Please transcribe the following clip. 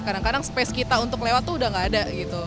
kadang kadang space kita untuk lewat tuh udah gak ada gitu